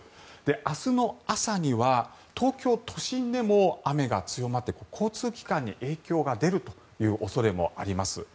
明日の朝には東京都心でも雨が強まって交通機関に影響が出るという恐れもあります。